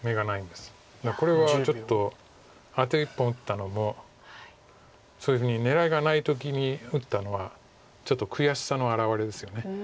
だからこれはちょっとアテ１本打ったのもそういうふうに狙いがない時に打ったのはちょっと悔しさの表れですよね。